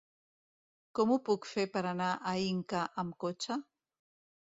Com ho puc fer per anar a Inca amb cotxe?